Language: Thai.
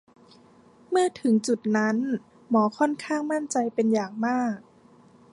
เมื่อถึงจุดนั้น หมอค่อนข้างมั่นใจเป็นอย่างมาก